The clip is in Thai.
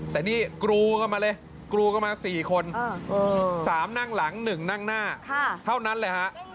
แต่นี่กรูกันมาเลยกรูกันมา๔คน๓นั่งหลัง๑นั่งหน้าเท่านั้นเลยฮะ